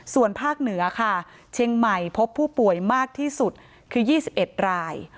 ส่วนภาคเหนือค่ะเชียงใหม่พบผู้ป่วยมากที่สุดคือ๒๑ราย